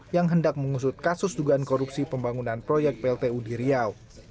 yang hendak mengusut kasus dugaan korupsi pembangunan proyek plt udiriau